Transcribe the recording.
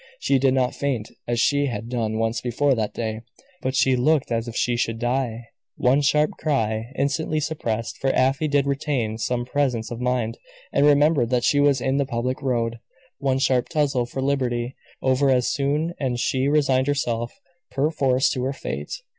She did not faint as she had done once before that day, but she looked as if she should die. One sharp cry, instantly suppressed, for Afy did retain some presence of mind, and remembered that she was in the public road one sharp tussle for liberty, over as soon, and she resigned herself, perforce, to her fate.